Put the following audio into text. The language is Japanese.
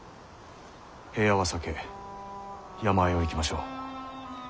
平野は避け山あいを行きましょう。